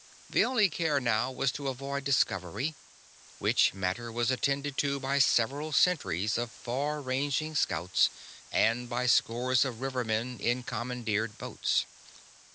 The only care now was to avoid discovery which matter was attended to by several centuries of far ranging scouts and by scores of rivermen in commandeered boats.